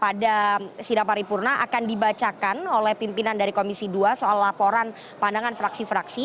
pada sidang paripurna akan dibacakan oleh pimpinan dari komisi dua soal laporan pandangan fraksi fraksi